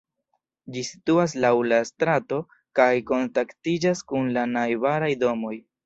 Ĝi situas laŭ la strato kaj kontaktiĝas kun la najbaraj domoj.